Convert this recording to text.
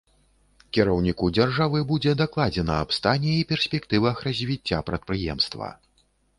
Кіраўніку дзяржавы будзе дакладзена аб стане і перспектывах развіцця прадпрыемства.